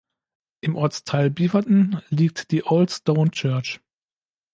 Im Ortsteil Beaverton liegt die Old Stone Church.